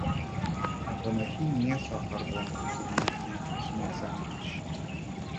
Ә бына һин ниңә саҡырҙың бүлмәңә Усман Сабировичты?